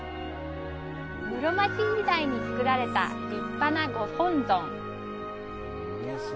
室町時代に造られた立派なご本尊。